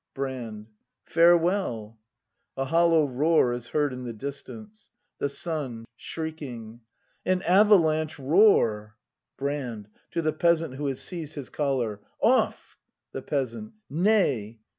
Brand. Farewell ! [A hollow roar is heard in the distance. The Son. [Shrieking.] An avalanche roar! Brand. [To the Peasant who has seized his collar.] Off! The Peasant. Nay!